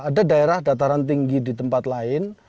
ada daerah dataran tinggi di tempat lain